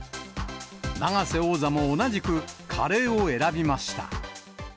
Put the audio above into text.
永瀬王座も同じくカレーを選びました。